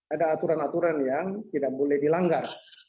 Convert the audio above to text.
ada aturan aturan yang tidak boleh dilanggar